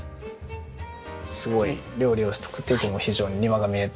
すごい料理を作っていても非常に庭が見えて。